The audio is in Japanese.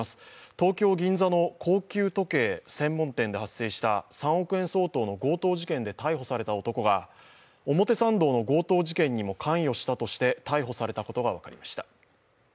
東京・銀座の高級時計専門店で発生した３億円相当の強盗事件で逮捕された男が表参道の強盗事件にも関与したとして逮捕されたことが分かりました。